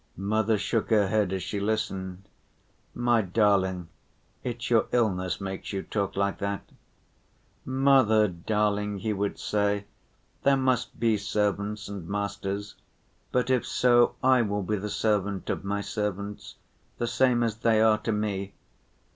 Mother shook her head as she listened. "My darling, it's your illness makes you talk like that." "Mother, darling," he would say, "there must be servants and masters, but if so I will be the servant of my servants, the same as they are to me.